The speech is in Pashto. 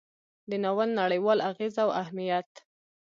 د ناول نړیوال اغیز او اهمیت: